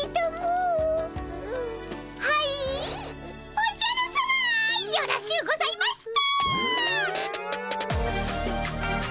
おじゃるさまよろしゅうございました！